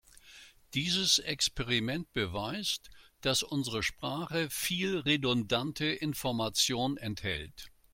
Dieses Experiment beweist, dass unsere Sprache viel redundante Information enthält.